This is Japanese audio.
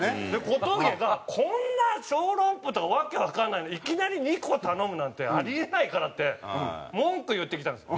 小峠が「こんな小籠包とか訳わかんないのいきなり２個頼むなんてあり得ないから」って文句言ってきたんです。